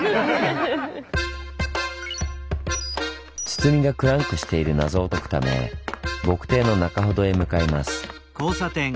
堤がクランクしている謎を解くため墨堤の中ほどへ向かいます。